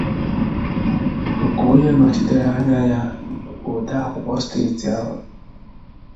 nke onye nọchitere anya ya bụ odeakwụkwọ steeti ahụ